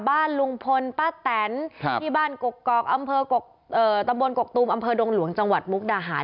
บ้านลุงพลป้าแตนที่บ้านกกอกอำเภอตำบลกกตูมอำเภอดงหลวงจังหวัดมุกดาหาร